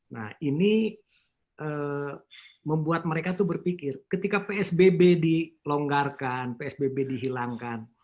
nah ini membuat mereka itu berpikir ketika psbb dilonggarkan psbb dihilangkan